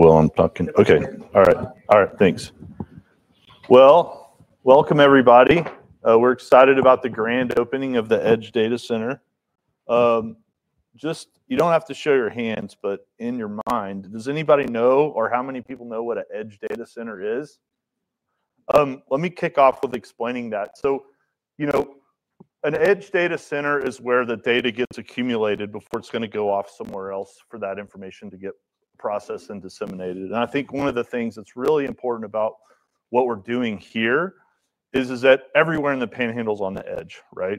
All right. All right. Thanks. Welcome, everybody. We're excited about the grand opening of the edge data center. Just, you don't have to show your hands, but in your mind, does anybody know or how many people know what an edge data center is? Let me kick off with explaining that. You know, an edge data center is where the data gets accumulated before it's gonna go off somewhere else for that information to get processed and disseminated. I think one of the things that's really important about what we're doing here is that everywhere in the Panhandle's on the edge, right?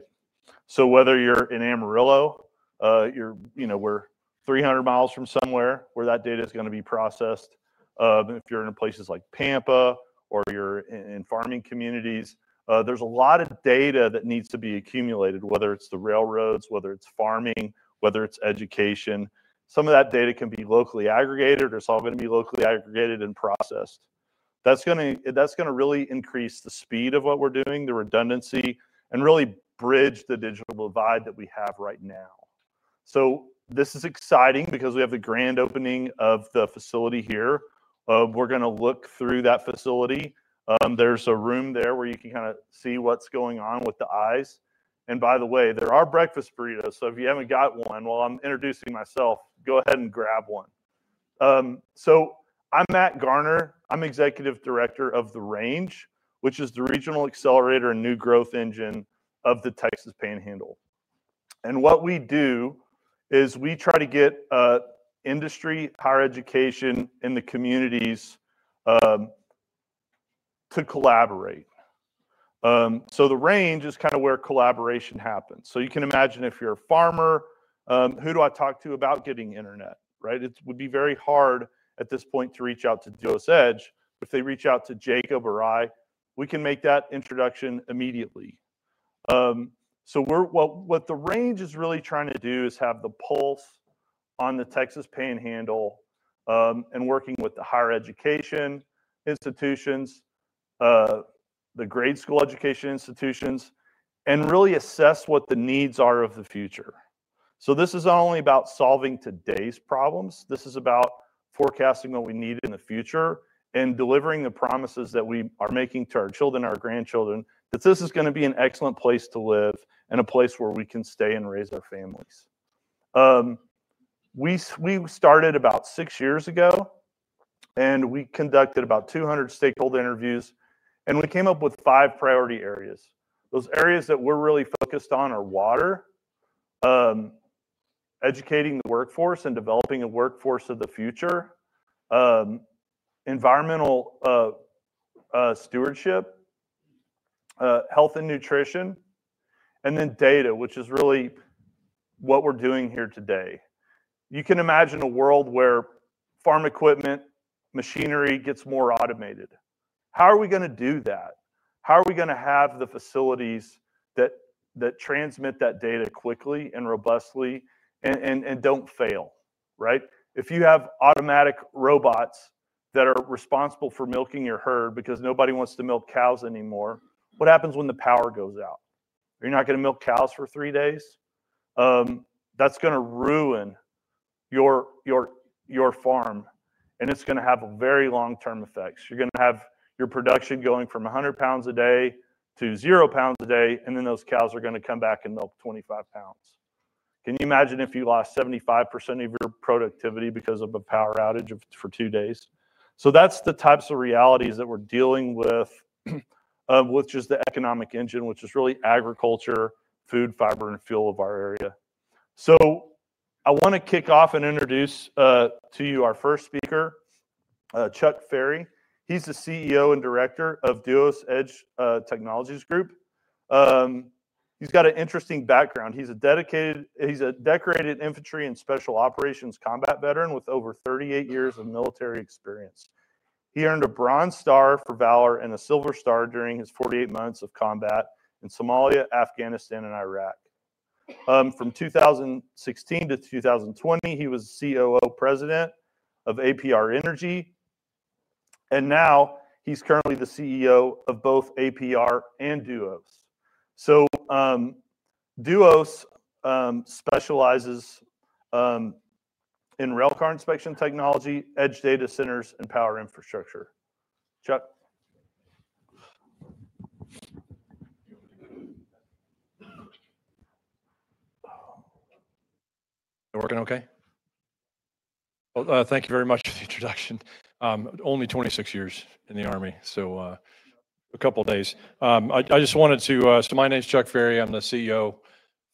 Whether you're in Amarillo, you know, we're 300 miles from somewhere where that data's gonna be processed. If you're in places like Pampa or you're in farming communities, there's a lot of data that needs to be accumulated, whether it's the railroads, whether it's farming, whether it's education. Some of that data can be locally aggregated or it's all gonna be locally aggregated and processed. That's gonna really increase the speed of what we're doing, the redundancy, and really bridge the digital divide that we have right now. This is exciting because we have the grand opening of the facility here. We're gonna look through that facility. There's a room there where you can kinda see what's going on with the eyes. By the way, there are breakfast burritos, so if you haven't got one, while I'm introducing myself, go ahead and grab one. I'm Matt Garner. I'm Executive Director of The RANGE, which is the Regional Accelerator and New Growth Engine of the Texas Panhandle. What we do is we try to get industry, higher education, and the communities to collaborate. The RANGE is kinda where collaboration happens. You can imagine if you're a farmer, who do I talk to about getting internet, right? It would be very hard at this point to reach out to Duos Edge. If they reach out to Jacob or I, we can make that introduction immediately. What The RANGE is really trying to do is have the pulse on the Texas Panhandle, and working with the higher education institutions, the grade school education institutions, and really assess what the needs are of the future. This is not only about solving today's problems. This is about forecasting what we need in the future and delivering the promises that we are making to our children, our grandchildren, that this is gonna be an excellent place to live and a place where we can stay and raise our families. We started about six years ago, and we conducted about 200 stakeholder interviews, and we came up with five priority areas. Those areas that we're really focused on are water, educating the workforce and developing a workforce of the future, environmental stewardship, health and nutrition, and then data, which is really what we're doing here today. You can imagine a world where farm equipment, machinery gets more automated. How are we gonna do that? How are we gonna have the facilities that transmit that data quickly and robustly and don't fail, right? If you have automatic robots that are responsible for milking your herd because nobody wants to milk cows anymore, what happens when the power goes out? You're not gonna milk cows for three days. That's gonna ruin your, your farm, and it's gonna have very long-term effects. You're gonna have your production going from 100 pounds a day to 0 pounds a day, and then those cows are gonna come back and milk 25 pounds. Can you imagine if you lost 75% of your productivity because of a power outage for two days? That's the types of realities that we're dealing with, with just the economic engine, which is really agriculture, food, fiber, and fuel of our area. I wanna kick off and introduce to you our first speaker, Chuck Ferry. He's the CEO and director of Duos Technologies Group. He's got an interesting background. He's a dedicated, he's a decorated infantry and special operations combat veteran with over 38 years of military experience. He earned a Bronze Star for Valor and a Silver Star during his 48 months of combat in Somalia, Afghanistan, and Iraq. From 2016 to 2020, he was COO President of APR Energy, and now he's currently the CEO of both APR and Duos. Duos specializes in railcar inspection technology, edge data centers, and power infrastructure. Chuck. You're working okay? Oh, thank you very much for the introduction. Only 26 years in the Army, so, a couple days. I just wanted to, so my name's Chuck Ferry. I'm the CEO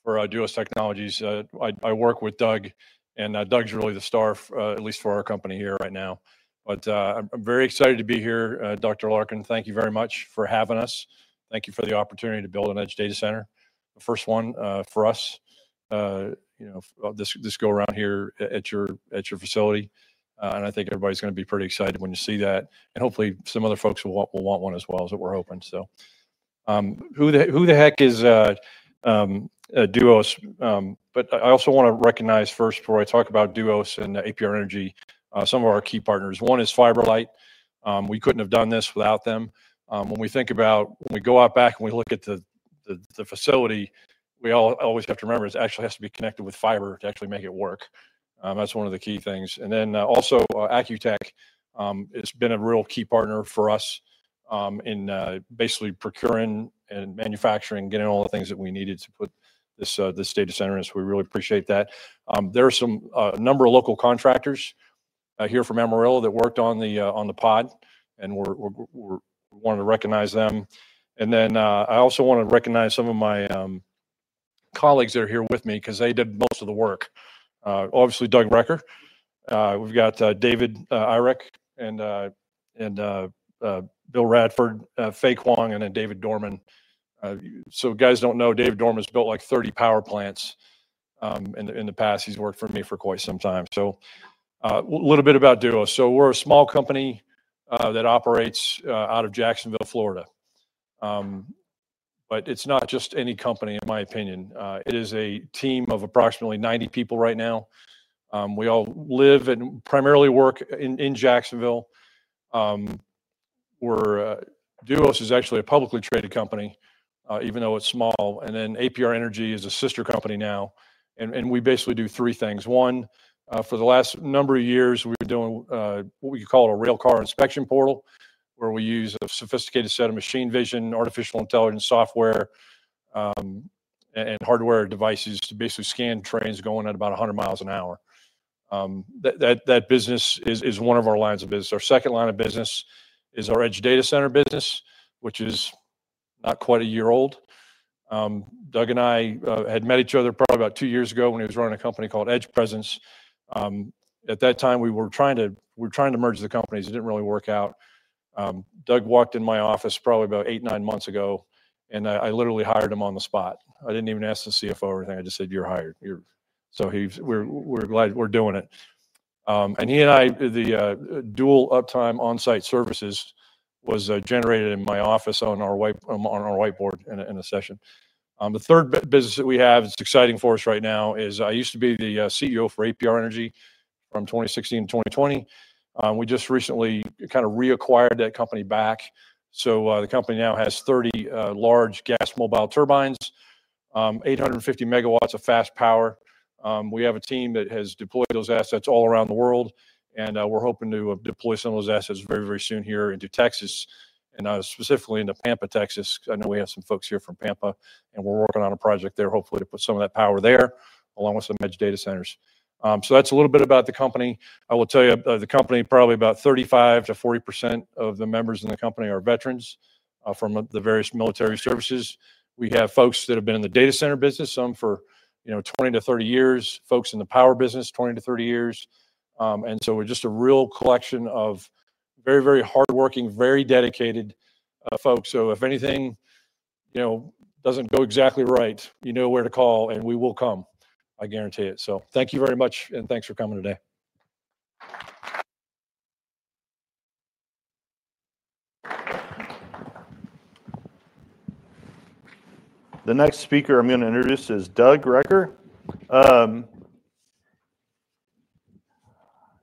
for Duos Technologies. I work with Doug, and Doug's really the star, at least for our company here right now. I'm very excited to be here. Dr. Larkin, thank you very much for having us. Thank you for the opportunity to build an edge data center, the first one, for us, you know, this go around here at your facility. I think everybody's gonna be pretty excited when you see that, and hopefully some other folks will want one as well as what we're hoping. Who the heck is Duos? I also wanna recognize first, before I talk about Duos and APR Energy, some of our key partners. One is FiberLight. We couldn't have done this without them. When we think about, when we go out back and we look at the facility, we always have to remember it actually has to be connected with fiber to actually make it work. That's one of the key things. Also, Accu-Tech has been a real key partner for us, in basically procuring and manufacturing, getting all the things that we needed to put this data center in. We really appreciate that. There are a number of local contractors here from Amarillo that worked on the pod, and we wanted to recognize them. I also wanna recognize some of my colleagues that are here with me 'cause they did most of the work. Obviously, Doug Recker. We've got David Irek, and Bill Radford, Fei Kwong, and then David Dorman. If you guys don't know, David Dorman's built like 30 power plants in the past. He's worked for me for quite some time. A little bit about Duos. We're a small company that operates out of Jacksonville, Florida. It's not just any company, in my opinion. It is a team of approximately 90 people right now. We all live and primarily work in Jacksonville. Duos is actually a publicly traded company, even though it's small. APR Energy is a sister company now. We basically do three things. One, for the last number of years, we were doing what we call a railcar inspection portal where we use a sophisticated set of machine vision, artificial intelligence software, and hardware devices to basically scan trains going at about 100 miles an hour. That business is one of our lines of business. Our second line of business is our edge data center business, which is not quite a year old. Doug and I had met each other probably about two years ago when he was running a company called EdgePresence. At that time, we were trying to merge the companies. It didn't really work out. Doug walked in my office probably about eight, nine months ago, and I literally hired him on the spot. I didn't even ask the CFO or anything. I just said, "You're hired. You're, so he's, we're glad we're doing it. He and I, the Dual Uptime Onsite Services was generated in my office on our whiteboard in a session. The third business that we have that's exciting for us right now is I used to be the CEO for APR Energy from 2016 to 2020. We just recently kinda reacquired that company back. The company now has 30 large gas mobile turbines, 850 megawatts of fast power. We have a team that has deployed those assets all around the world, and we're hoping to deploy some of those assets very, very soon here into Texas and specifically into Pampa, Texas. I know we have some folks here from Pampa, and we're working on a project there hopefully to put some of that power there along with some edge data centers. That's a little bit about the company. I will tell you, the company, probably about 35% to 40% of the members in the company are veterans, from the various military services. We have folks that have been in the data center business, some for, you know, 20 to 30 years, folks in the power business, 20 to 30 years. We're just a real collection of very, very hardworking, very dedicated folks. If anything, you know, doesn't go exactly right, you know where to call, and we will come. I guarantee it. Thank you very much, and thanks for coming today. The next speaker I'm gonna introduce is Doug Recker.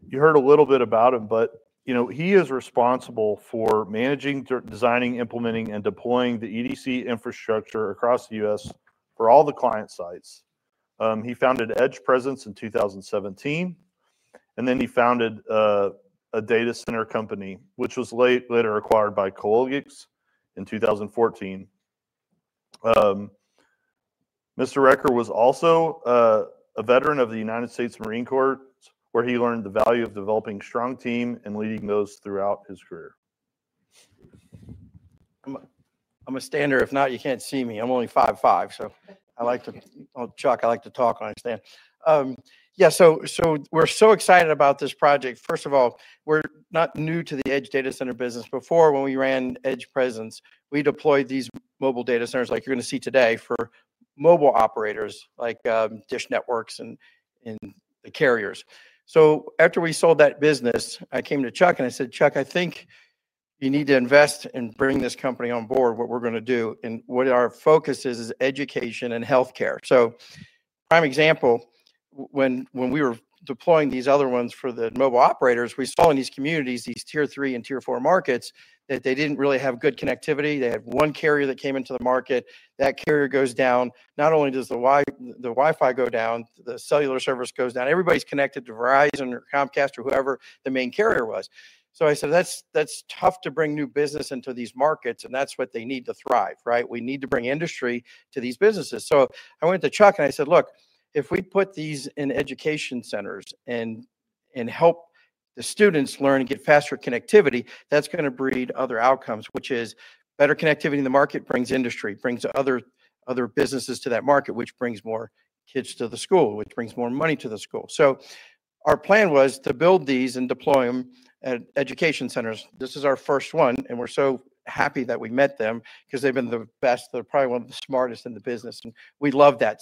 you heard a little bit about him, but, you know, he is responsible for managing, designing, implementing, and deploying the EDC infrastructure across the US for all the client sites. he founded Edge Presence in 2017, and then he founded, a data center company, which was later acquired by Cologix in 2014. Mr. Recker was also, a veteran of the United States Marine Corps, where he learned the value of developing strong teams and leading those throughout his career. I'm gonna stand. If not, you can't see me. I'm only 5'5", so I like to, oh, Chuck, I like to talk and I understand. Yeah, we're so excited about this project. First of all, we're not new to the edge data center business. Before, when we ran Edge Presence, we deployed these mobile data centers, like you're gonna see today, for mobile operators like DISH Network and the carriers. After we sold that business, I came to Chuck and I said, "Chuck, I think you need to invest and bring this company on board, what we're gonna do, and what our focus is, is education and healthcare." A prime example, when we were deploying these other ones for the mobile operators, we saw in these communities, these tier three and tier four markets, that they didn't really have good connectivity. They had one carrier that came into the market. That carrier goes down. Not only does the Wi-Fi go down, the cellular service goes down. Everybody's connected to Verizon or Comcast or whoever the main carrier was. I said, "That's, that's tough to bring new business into these markets, and that's what they need to thrive, right? We need to bring industry to these businesses." I went to Chuck and I said, "Look, if we put these in education centers and, and help the students learn and get faster connectivity, that's gonna breed other outcomes, which is better connectivity in the market brings industry, brings other, other businesses to that market, which brings more kids to the school, which brings more money to the school." Our plan was to build these and deploy them at education centers. This is our first one, and we're so happy that we met them 'cause they've been the best. They're probably one of the smartest in the business, and we love that.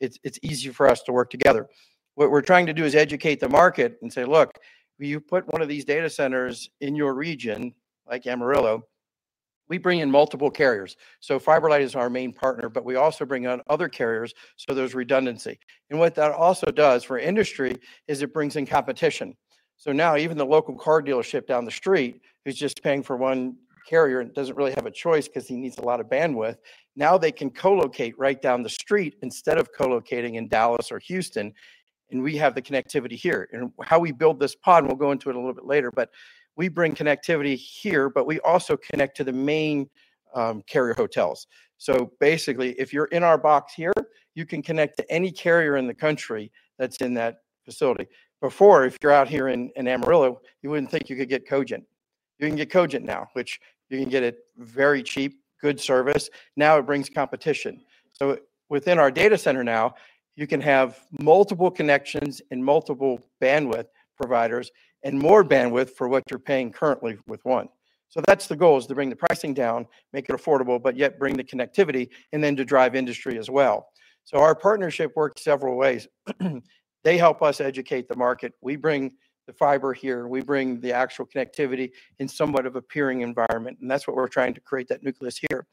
It's easier for us to work together. What we're trying to do is educate the market and say, "Look, you put one of these data centers in your region, like Amarillo, we bring in multiple carriers." FiberLight is our main partner, but we also bring on other carriers, so there's redundancy. What that also does for industry is it brings in competition. Now even the local car dealership down the street who's just paying for one carrier and doesn't really have a choice 'cause he needs a lot of bandwidth, now they can co-locate right down the street instead of co-locating in Dallas or Houston, and we have the connectivity here. How we build this pod, we'll go into it a little bit later, but we bring connectivity here, but we also connect to the main carrier hotels. Basically, if you're in our box here, you can connect to any carrier in the country that's in that facility. Before, if you're out here in Amarillo, you wouldn't think you could get Cogent. You can get Cogent now, which you can get at very cheap, good service. It brings competition. Within our data center now, you can have multiple connections and multiple bandwidth providers and more bandwidth for what you're paying currently with one. The goal is to bring the pricing down, make it affordable, but yet bring the connectivity and then to drive industry as well. Our partnership worked several ways. They help us educate the market. We bring the fiber here. We bring the actual connectivity in somewhat of a peering environment, and that's what we're trying to create, that nucleus here.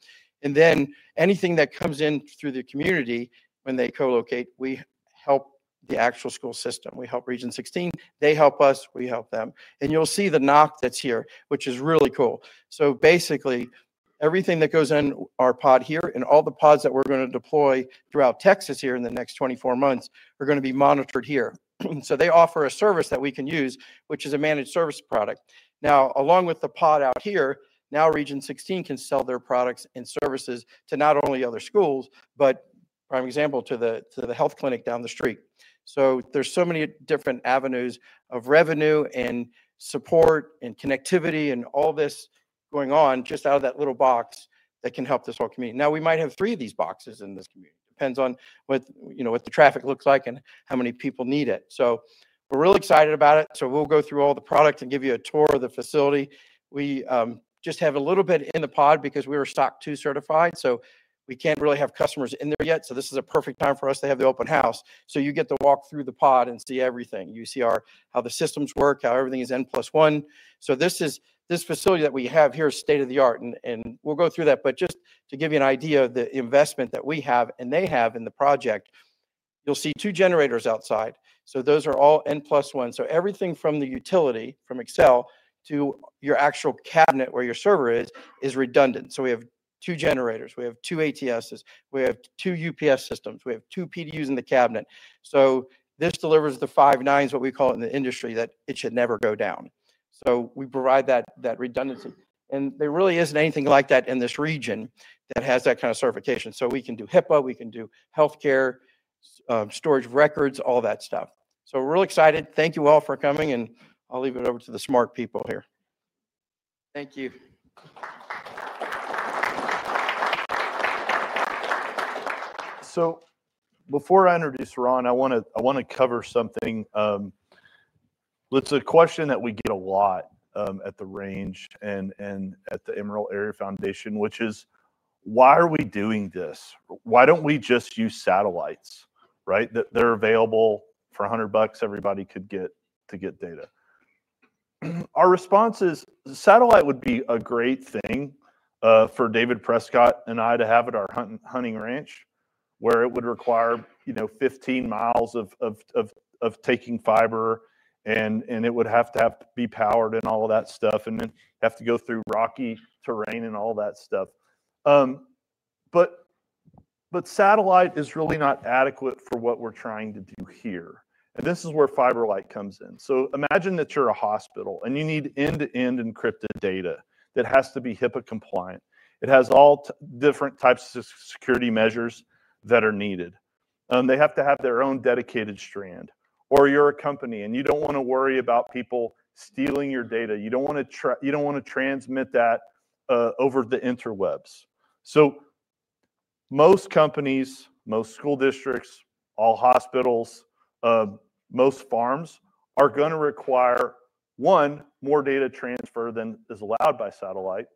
Anything that comes in through the community when they co-locate, we help the actual school system. We help Region 16. They help us. We help them. You'll see the NOC that's here, which is really cool. Basically, everything that goes in our pod here and all the pods that we're gonna deploy throughout Texas here in the next 24 months are gonna be monitored here. They offer a service that we can use, which is a managed service product. Along with the pod out here, now Region 16 can sell their products and services to not only other schools, but, prime example, to the health clinic down the street. There are so many different avenues of revenue and support and connectivity and all this going on just out of that little box that can help this whole community. Now, we might have three of these boxes in this community. Depends on what, you know, what the traffic looks like and how many people need it. We are really excited about it. We will go through all the product and give you a tour of the facility. We just have a little bit in the pod because we are SOC 2 certified, so we cannot really have customers in there yet. This is a perfect time for us to have the open house. You get to walk through the pod and see everything. You see how the systems work, how everything is N+1. This facility that we have here is state of the art, and we'll go through that. Just to give you an idea of the investment that we have and they have in the project, you'll see two generators outside. Those are all N+1. Everything from the utility from Xcel to your actual cabinet where your server is, is redundant. We have two generators. We have two ATSs. We have two UPS systems. We have two PDUs in the cabinet. This delivers the five nines, what we call it in the industry, that it should never go down. We provide that redundancy. There really isn't anything like that in this region that has that kind of certification. We can do HIPAA. We can do healthcare, storage records, all that stuff. We're really excited. Thank you all for coming, and I'll leave it over to the smart people here. Thank you. Before I introduce Ron, I wanna cover something. It's a question that we get a lot at The RANGE and at the Amarillo Area Foundation, which is, why are we doing this? Why don't we just use satellites, right? They're available for $100. Everybody could get to get data. Our response is satellite would be a great thing for David Prescott and I to have at our hunting ranch where it would require, you know, 15 mi of taking fiber and it would have to be powered and all of that stuff and then have to go through rocky terrain and all that stuff. Satellite is really not adequate for what we're trying to do here. This is where FiberLight comes in. Imagine that you're a hospital and you need end-to-end encrypted data that has to be HIPAA compliant. It has all different types of security measures that are needed. They have to have their own dedicated strand. Or you're a company and you don't wanna worry about people stealing your data. You don't wanna transmit that over the interwebs. Most companies, most school districts, all hospitals, most farms are gonna require, one, more data transfer than is allowed by satellite,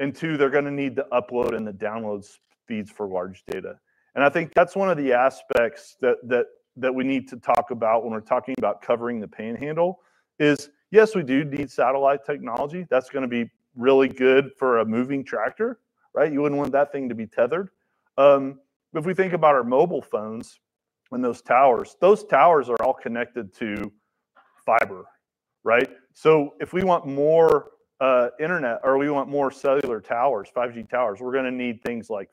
and two, they're gonna need the upload and the download speeds for large data. I think that's one of the aspects that we need to talk about when we're talking about covering the panhandle. Yes, we do need satellite technology. That's gonna be really good for a moving tractor, right? You wouldn't want that thing to be tethered. If we think about our mobile phones and those towers, those towers are all connected to fiber, right? If we want more internet or we want more cellular towers, 5G towers, we're gonna need things like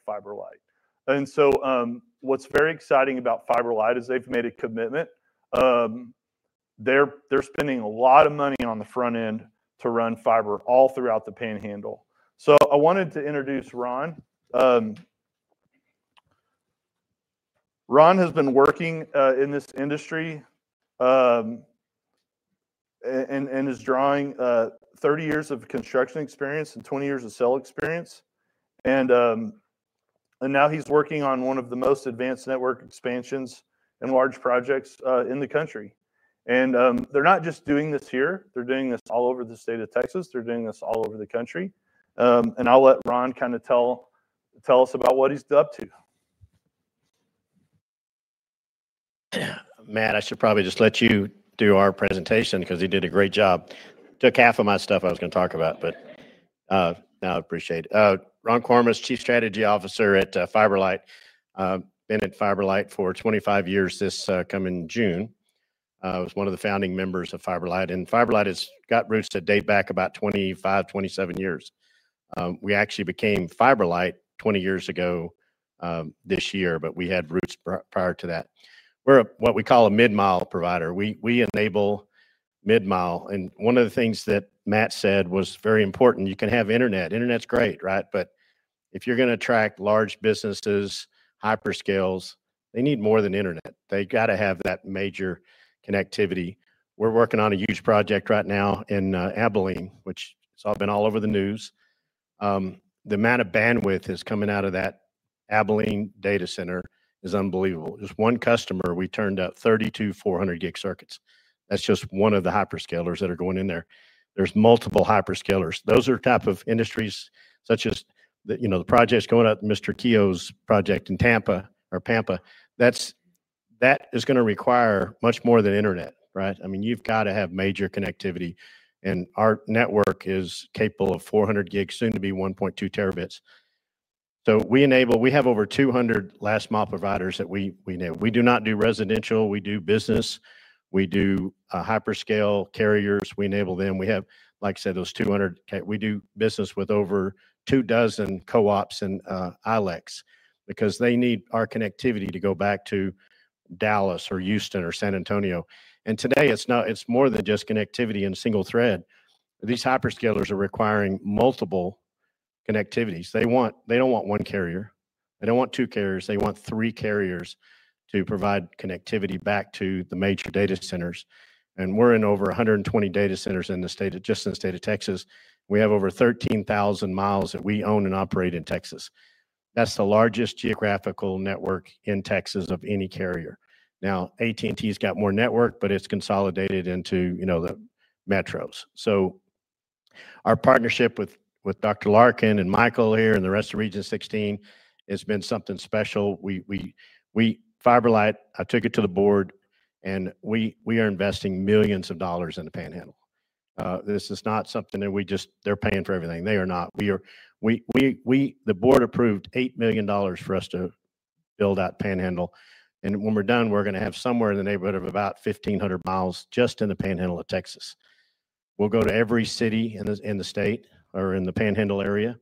FiberLight. What's very exciting about FiberLight is they've made a commitment. They're spending a lot of money on the front end to run fiber all throughout the Panhandle. I wanted to introduce Ron. Ron has been working in this industry and is drawing on 30 years of construction experience and 20 years of cell experience. Now he's working on one of the most advanced network expansions and large projects in the country. They're not just doing this here. They're doing this all over the state of Texas. They're doing this all over the country. I'll let Ron kinda tell, tell us about what he's up to. Yeah, man, I should probably just let you do our presentation 'cause he did a great job. Took half of my stuff I was gonna talk about, but, no, I appreciate it. Ron Kormos, Chief Strategy Officer at FiberLight. Been at FiberLight for 25 years this coming June. Was one of the founding members of FiberLight, and FiberLight has got roots that date back about 25, 27 years. We actually became FiberLight 20 years ago this year, but we had roots prior to that. We're a, what we call a mid-mile provider. We enable mid-mile. One of the things that Matt said was very important, you can have internet. Internet's great, right? If you're gonna attract large businesses, hyperscales, they need more than internet. They gotta have that major connectivity. We're working on a huge project right now in Abilene, which it's all been all over the news. The amount of bandwidth that's coming out of that Abilene data center is unbelievable. Just one customer, we turned up 32 400 gig circuits. That's just one of the hyperscalers that are going in there. There's multiple hyperscalers. Those are type of industries such as the, you know, the projects going up, Mr. Keough's project in Pampa. That is gonna require much more than internet, right? I mean, you've gotta have major connectivity. And our network is capable of 400 gig, soon to be 1.2 terabits. We enable, we have over 200 last mile providers that we enable. We do not do residential. We do business. We do hyperscale carriers. We enable them. We have, like I said, those 200, we do business with over two dozen co-ops and ILECs because they need our connectivity to go back to Dallas or Houston or San Antonio. Today it's not, it's more than just connectivity and single thread. These hyperscalers are requiring multiple connectivities. They want, they don't want one carrier. They don't want two carriers. They want three carriers to provide connectivity back to the major data centers. We're in over 120 data centers in the state, just in the state of Texas. We have over 13,000 miles that we own and operate in Texas. That's the largest geographical network in Texas of any carrier. AT&T's got more network, but it's consolidated into, you know, the metros. Our partnership with Dr. Larkin and Michael here and the rest of Region 16 has been something special. We, we, we FiberLight, I took it to the board and we, we are investing millions of dollars in the Panhandle. This is not something that we just, they're paying for everything. They are not. We are, we, we, we, the board approved $8 million for us to build out Panhandle. And when we're done, we're gonna have somewhere in the neighborhood of about 1,500 miles just in the Panhandle of Texas. We'll go to every city in the, in the state or in the Panhandle area.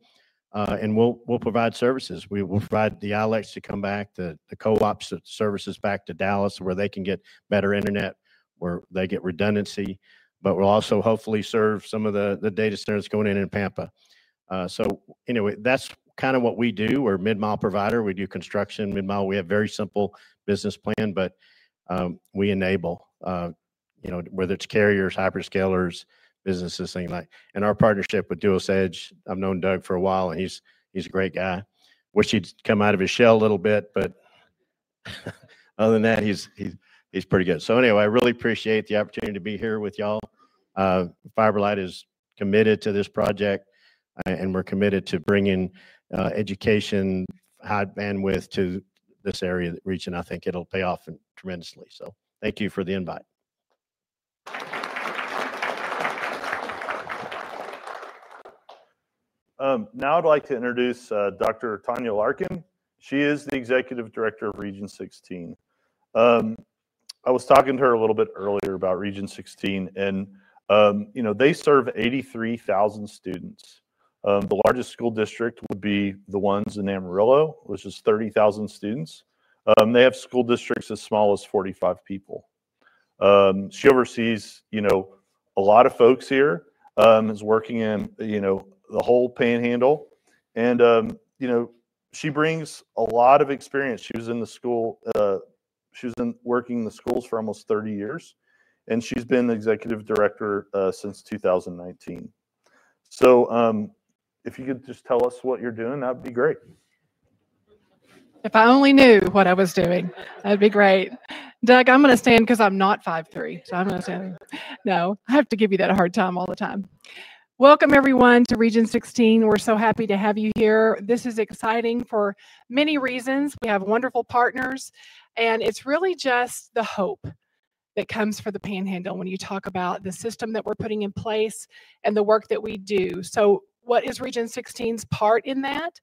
And we'll, we'll provide services. We will provide the ILECs to come back, the, the co-ops that services back to Dallas where they can get better internet, where they get redundancy. We'll also hopefully serve some of the, the data centers going in, in Pampa. Anyway, that's kind of what we do. We're a mid-mile provider. We do construction mid-mile. We have very simple business plan, but we enable, you know, whether it's carriers, hyperscalers, businesses, things like that. Our partnership with Duos Edge, I've known Doug for a while and he's a great guy. Wish he'd come out of his shell a little bit, but other than that, he's pretty good. I really appreciate the opportunity to be here with y'all. FiberLight is committed to this project, and we're committed to bringing education, high bandwidth to this area region. I think it'll pay off tremendously. Thank you for the invite. Now I'd like to introduce Dr. Tanya Larkin. She is the Executive Director of Region 16. I was talking to her a little bit earlier about Region 16 and, you know, they serve 83,000 students. The largest school district would be the ones in Amarillo, which is 30,000 students. They have school districts as small as 45 people. She oversees, you know, a lot of folks here, is working in, you know, the whole Panhandle. You know, she brings a lot of experience. She was in the school, she was in working in the schools for almost 30 years and she's been the Executive Director since 2019. If you could just tell us what you're doing, that'd be great. If I only knew what I was doing, that'd be great. Doug, I'm gonna stand 'cause I'm not 5'3", so I'm gonna stand. No, I have to give you that a hard time all the time. Welcome everyone to Region 16. We're so happy to have you here. This is exciting for many reasons. We have wonderful partners and it's really just the hope that comes for the Panhandle when you talk about the system that we're putting in place and the work that we do. What is Region 16's part in that?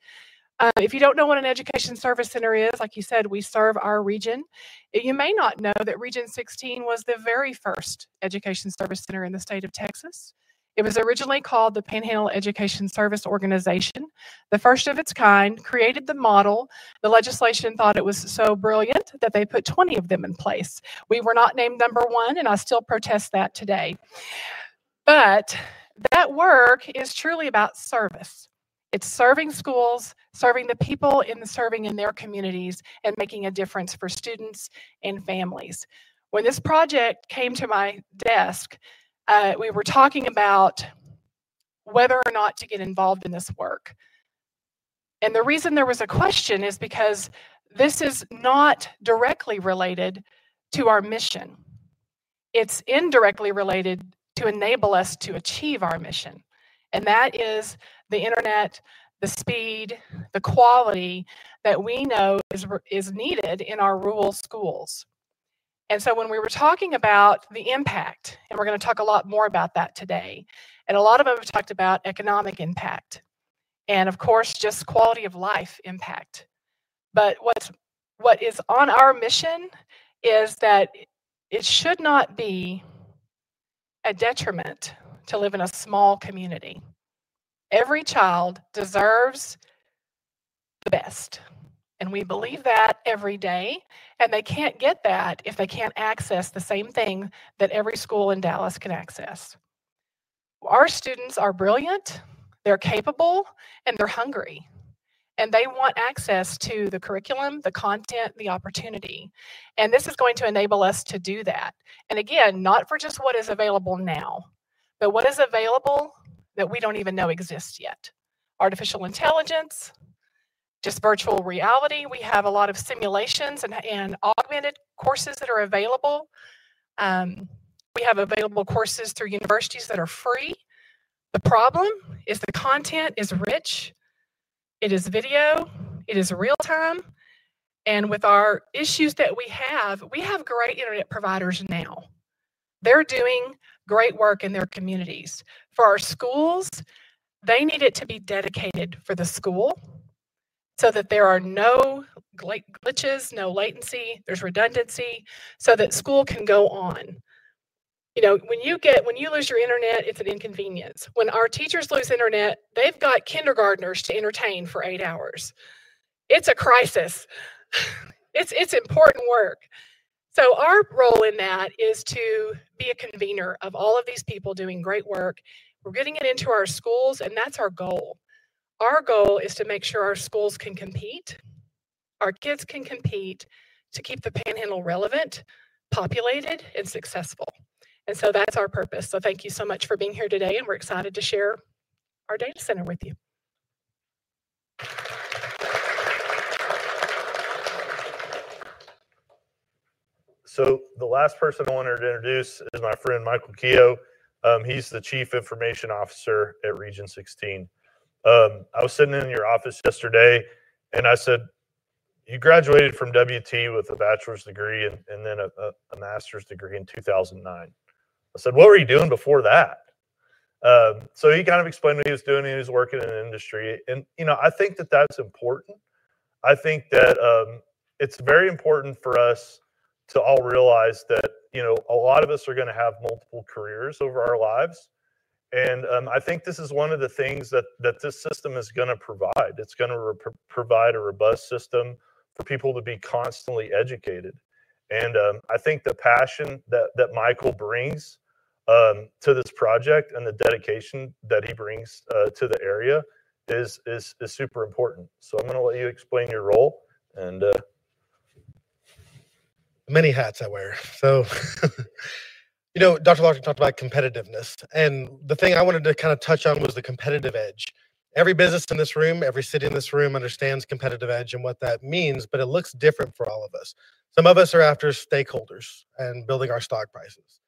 If you don't know what an education service center is, like you said, we serve our region. You may not know that Region 16 was the very first education service center in the state of Texas. It was originally called the Panhandle Education Service Organization, the first of its kind, created the model. The legislation thought it was so brilliant that they put 20 of them in place. We were not named number one, and I still protest that today. That work is truly about service. It's serving schools, serving the people in the serving in their communities, and making a difference for students and families. When this project came to my desk, we were talking about whether or not to get involved in this work. The reason there was a question is because this is not directly related to our mission. It's indirectly related to enable us to achieve our mission. That is the internet, the speed, the quality that we know is, is needed in our rural schools. When we were talking about the impact, and we're gonna talk a lot more about that today, and a lot of 'em have talked about economic impact and of course just quality of life impact. What is on our mission is that it should not be a detriment to live in a small community. Every child deserves the best, and we believe that every day, and they can't get that if they can't access the same thing that every school in Dallas can access. Our students are brilliant, they're capable, and they're hungry, and they want access to the curriculum, the content, the opportunity. This is going to enable us to do that. Again, not for just what is available now, but what is available that we don't even know exists yet. Artificial intelligence, just virtual reality. We have a lot of simulations and, and augmented courses that are available. We have available courses through universities that are free. The problem is the content is rich. It is video, it is real time. With our issues that we have, we have great internet providers now. They're doing great work in their communities. For our schools, they need it to be dedicated for the school so that there are no glitches, no latency, there's redundancy so that school can go on. You know, when you get, when you lose your internet, it's an inconvenience. When our teachers lose internet, they've got kindergartners to entertain for eight hours. It's a crisis. It's, it's important work. Our role in that is to be a convener of all of these people doing great work. We're getting it into our schools, and that's our goal. Our goal is to make sure our schools can compete, our kids can compete to keep the Panhandle relevant, populated, and successful. That is our purpose. Thank you so much for being here today, and we're excited to share our data center with you. The last person I wanted to introduce is my friend Michael Keough. He's the Chief Information Officer at Region 16. I was sitting in your office yesterday and I said, you graduated from WT with a bachelor's degree and then a master's degree in 2009. I said, what were you doing before that? He kind of explained what he was doing and he was working in an industry. You know, I think that that's important. I think that it's very important for us to all realize that, you know, a lot of us are gonna have multiple careers over our lives. I think this is one of the things that this system is gonna provide. It's gonna provide a robust system for people to be constantly educated. I think the passion that Michael brings to this project and the dedication that he brings to the area is super important. I'm gonna let you explain your role and, Many hats I wear. You know, Dr. Larkin talked about competitiveness, and the thing I wanted to kind of touch on was the competitive edge. Every business in this room, every city in this room understands competitive edge and what that means, but it looks different for all of us. Some of us are after stakeholders and building our stock prices.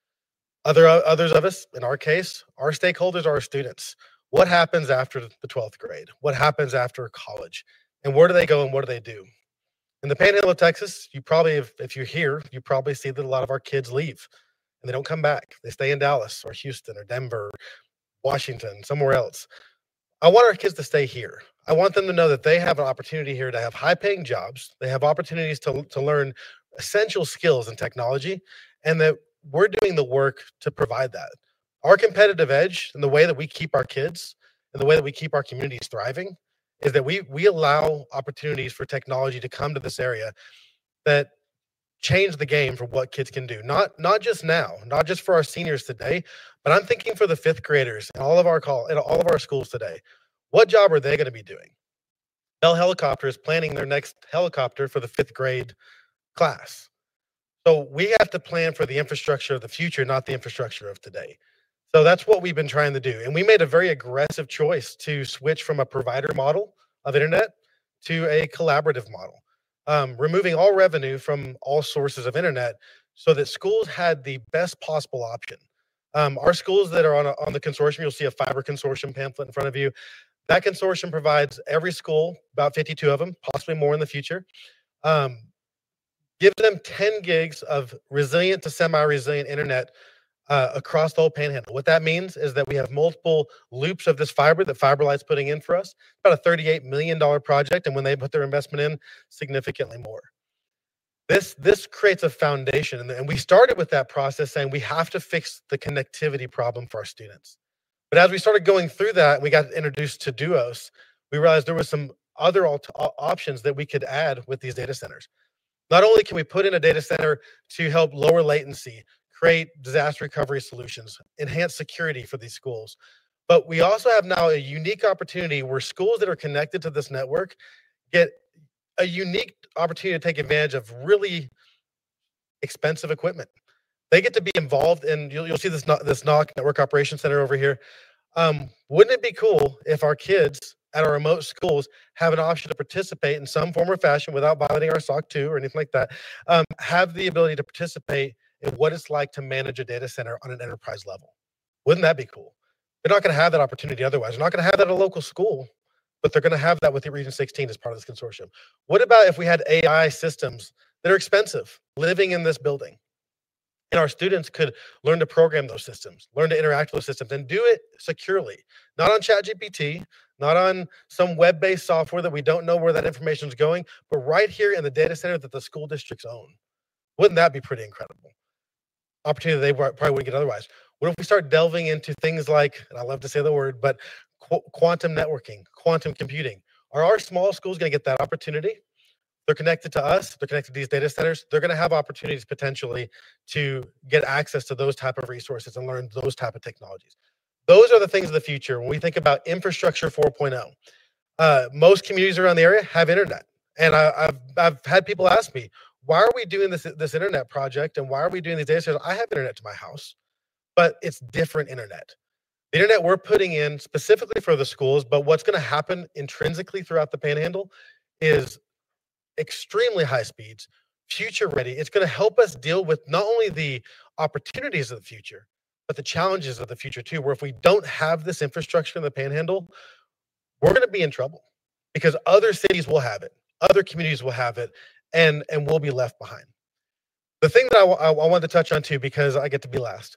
Others of us, in our case, our stakeholders are our students. What happens after the 12th grade? What happens after college? And where do they go and what do they do? In the panhandle of Texas, if you're here, you probably see that a lot of our kids leave and they don't come back. They stay in Dallas or Houston or Denver, Washington, somewhere else. I want our kids to stay here. I want them to know that they have an opportunity here to have high-paying jobs. They have opportunities to learn essential skills in technology, and that we're doing the work to provide that. Our competitive edge and the way that we keep our kids and the way that we keep our communities thriving is that we allow opportunities for technology to come to this area that change the game for what kids can do. Not just now, not just for our seniors today, but I'm thinking for the fifth graders and all of our, and all of our schools today. What job are they gonna be doing? Bell Helicopter is planning their next helicopter for the fifth grade class. We have to plan for the infrastructure of the future, not the infrastructure of today. That is what we've been trying to do. We made a very aggressive choice to switch from a provider model of internet to a collaborative model, removing all revenue from all sources of internet so that schools had the best possible option. Our schools that are on the consortium, you'll see a fiber consortium pamphlet in front of you. That consortium provides every school, about 52 of them, possibly more in the future, give them 10 gigs of resilient to semi-resilient internet, across the whole panhandle. What that means is that we have multiple loops of this fiber that FiberLight's putting in for us, about a $38 million project. When they put their investment in, significantly more. This creates a foundation. We started with that process saying we have to fix the connectivity problem for our students. As we started going through that, we got introduced to Duos. We realized there were some other AI options that we could add with these data centers. Not only can we put in a data center to help lower latency, create disaster recovery solutions, enhance security for these schools, but we also have now a unique opportunity where schools that are connected to this network get a unique opportunity to take advantage of really expensive equipment. They get to be involved in, you'll see this NOC, this NOC Network Operations Center over here. Wouldn't it be cool if our kids at our remote schools have an option to participate in some form or fashion without violating our SOC 2 or anything like that, have the ability to participate in what it's like to manage a data center on an enterprise level? Wouldn't that be cool? They're not gonna have that opportunity otherwise. They're not gonna have that at a local school, but they're gonna have that with the Region 16 as part of this consortium. What about if we had AI systems that are expensive? Living in this building and our students could learn to program those systems, learn to interact with those systems and do it securely, not on ChatGPT, not on some web-based software that we don't know where that information's going, but right here in the data center that the school districts own. Wouldn't that be pretty incredible? Opportunity they probably wouldn't get otherwise. What if we start delving into things like, and I love to say the word, but quantum networking, quantum computing? Are our small schools gonna get that opportunity? They're connected to us, they're connected to these data centers. They're gonna have opportunities potentially to get access to those types of resources and learn those types of technologies. Those are the things of the future. When we think about Infrastructure 4.0, most communities around the area have internet. I've had people ask me, why are we doing this, this internet project and why are we doing these data centers? I have internet to my house, but it's different internet. The internet we're putting in specifically for the schools, but what's gonna happen intrinsically throughout the panhandle is extremely high speeds, future-ready. It's gonna help us deal with not only the opportunities of the future, but the challenges of the future too, where if we don't have this infrastructure in the panhandle, we're gonna be in trouble because other cities will have it, other communities will have it, and we'll be left behind. The thing that I wanted to touch on too, because I get to be last,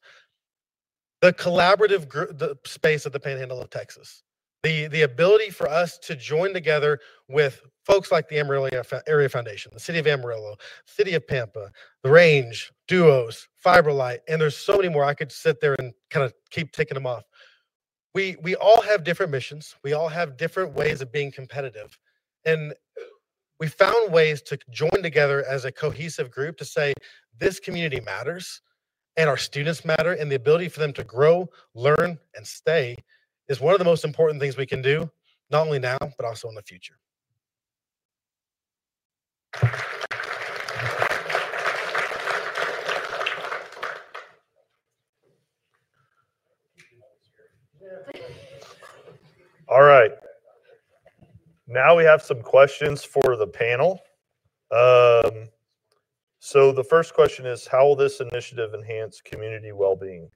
the collaborative group, the space of the Panhandle of Texas, the ability for us to join together with folks like the Amarillo Area Foundation, the City of Amarillo, City of Pampa, The RANGE, Duos, FiberLight, and there are so many more. I could sit there and kind of keep ticking 'em off. We all have different missions. We all have different ways of being competitive. We found ways to join together as a cohesive group to say this community matters and our students matter. The ability for them to grow, learn, and stay is one of the most important things we can do, not only now, but also in the future. All right. Now we have some questions for the panel. The first question is, how will this initiative enhance community wellbeing?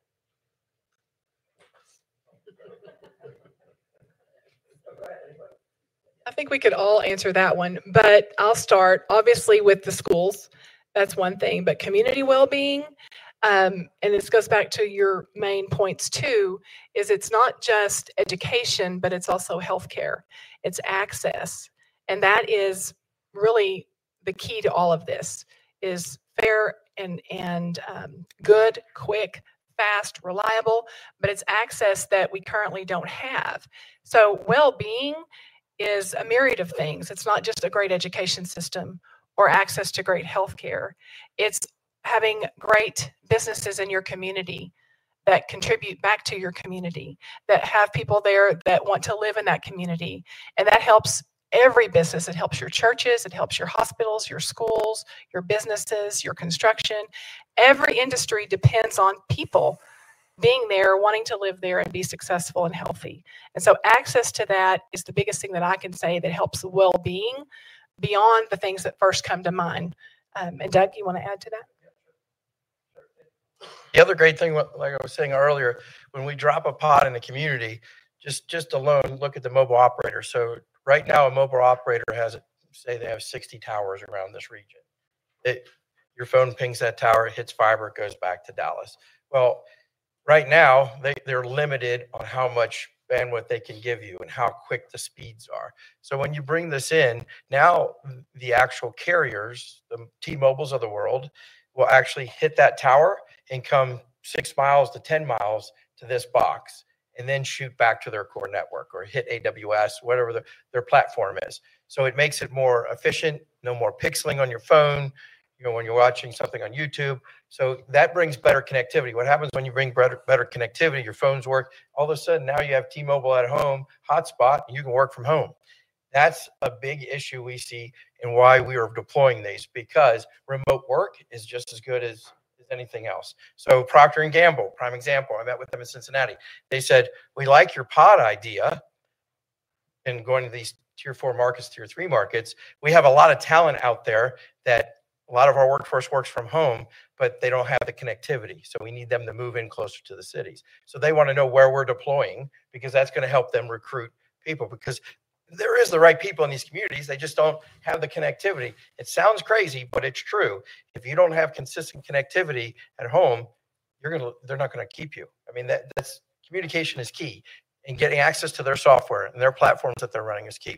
I think we could all answer that one, but I'll start obviously with the schools. That's one thing. Community wellbeing, and this goes back to your main points too, is it's not just education, but it's also healthcare. It's access. That is really the key to all of this is fair and good, quick, fast, reliable, but it's access that we currently don't have. Wellbeing is a myriad of things. It's not just a great education system or access to great healthcare. It's having great businesses in your community that contribute back to your community, that have people there that want to live in that community. That helps every business. It helps your churches, it helps your hospitals, your schools, your businesses, your construction. Every industry depends on people being there, wanting to live there and be successful and healthy. Access to that is the biggest thing that I can say that helps the wellbeing beyond the things that first come to mind. And Doug, do you wanna add to that? The other great thing, like I was saying earlier, when we drop a pod in the community, just, just alone, look at the mobile operator. Right now, a mobile operator has it, say they have 60 towers around this region. Your phone pings that tower, it hits fiber, it goes back to Dallas. Right now, they're limited on how much bandwidth they can give you and how quick the speeds are. When you bring this in, now the actual carriers, the T-Mobiles of the world will actually hit that tower and come 6-10 mi to this box and then shoot back to their core network or hit AWS, whatever their platform is. It makes it more efficient, no more pixeling on your phone, you know, when you're watching something on YouTube. That brings better connectivity. What happens when you bring better, better connectivity, your phones work, all of a sudden now you have T-Mobile at home, hotspot, and you can work from home. That's a big issue we see and why we are deploying these because remote work is just as good as, as anything else. Procter & Gamble, prime example, I met with them in Cincinnati. They said, we like your pod idea and going to these tier four markets, tier three markets. We have a lot of talent out there that a lot of our workforce works from home, but they do not have the connectivity. We need them to move in closer to the cities. They want to know where we are deploying because that is going to help them recruit people because there are the right people in these communities. They just do not have the connectivity. It sounds crazy, but it is true. If you don't have consistent connectivity at home, you're gonna, they're not gonna keep you. I mean, that's communication is key and getting access to their software and their platforms that they're running is key.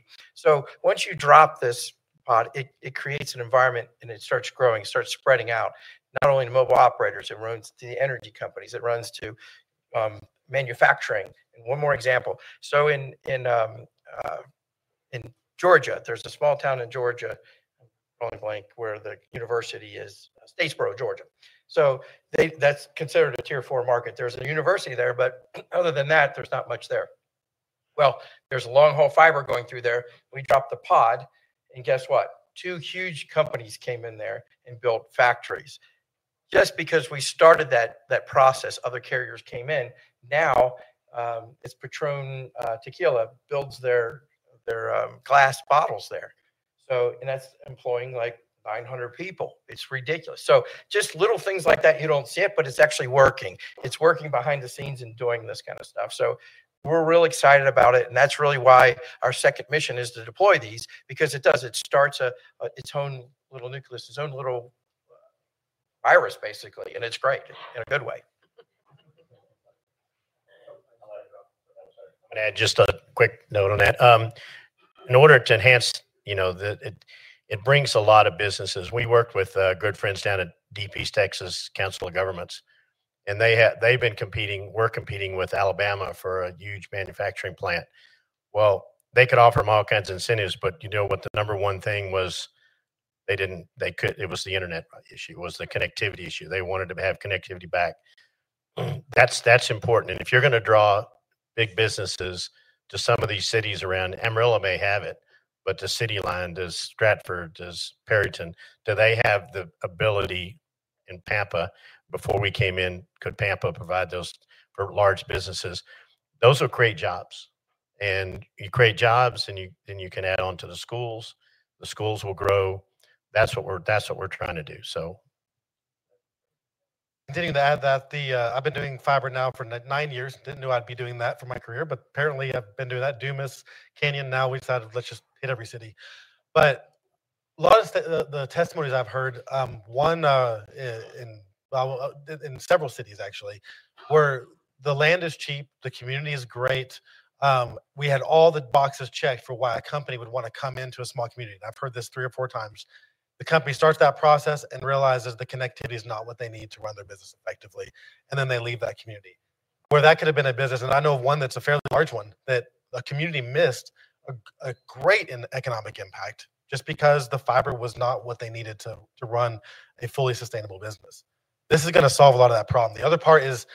Once you drop this pod, it creates an environment and it starts growing, starts spreading out, not only to mobile operators, it runs to the energy companies, it runs to manufacturing. One more example. In Georgia, there's a small town in Georgia where the university is, Statesboro, Georgia. That's considered a tier four market. There's a university there, but other than that, there's not much there. There's a long haul fiber going through there. We dropped the pod and guess what? Two huge companies came in there and built factories just because we started that process. Other carriers came in. Now, it's Patrón Tequila builds their glass bottles there. That is employing like 900 people. It's ridiculous. Just little things like that, you don't see it, but it's actually working. It's working behind the scenes and doing this kind of stuff. We're real excited about it. That's really why our second mission is to deploy these because it does, it starts its own little nucleus, its own little virus basically. It's great in a good way. I'm gonna add just a quick note on that. In order to enhance, you know, it brings a lot of businesses. We worked with good friends down at Deep East Texas Council of Governments, and they had, they've been competing, we're competing with Alabama for a huge manufacturing plant. They could offer 'em all kinds of incentives, but you know what the number one thing was? It was the internet issue, was the connectivity issue. They wanted to have connectivity back. That's important. If you're gonna draw big businesses to some of these cities around, Amarillo may have it, but does CityLine, does Stratford, does Perryton, do they have the ability in Pampa before we came in? Could Pampa provide those for large businesses? Those are great jobs. You create jobs and you can add onto the schools, the schools will grow. That is what we are trying to do. Continuing to add that I've been doing fiber now for nine years. Didn't know I'd be doing that for my career, but apparently I've been doing that. Duos, Canyon. Now we decided, let's just hit every city. A lot of the testimonies I've heard, one, in several cities actually, where the land is cheap, the community is great. We had all the boxes checked for why a company would want to come into a small community. I've heard this three or four times. The company starts that process and realizes the connectivity is not what they need to run their business effectively. They leave that community where that could have been a business. I know of one that's a fairly large one that a community missed a great economic impact just because the fiber was not what they needed to run a fully sustainable business. This is gonna solve a lot of that problem. The other part is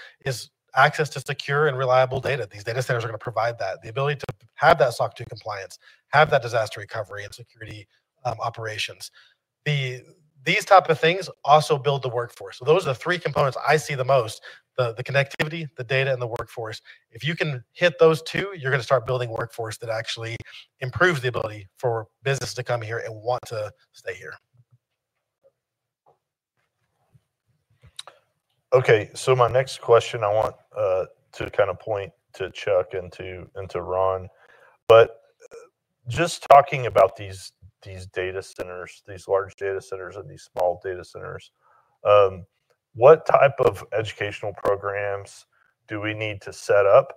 access to secure and reliable data. These data centers are gonna provide that, the ability to have that SOC 2 compliance, have that disaster recovery and security operations. These type of things also build the workforce. Those are the three components I see the most: the connectivity, the data, and the workforce. If you can hit those two, you're gonna start building workforce that actually improves the ability for businesses to come here and want to stay here. Okay. My next question, I want to kind of point to Chuck and to Ron, but just talking about these data centers, these large data centers and these small data centers, what type of educational programs do we need to set up?